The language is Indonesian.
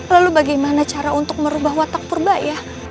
lalu bagaimana cara untuk merubah watak purba ya